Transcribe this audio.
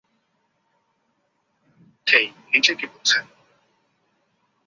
হেই, নিচে কী হচ্ছে?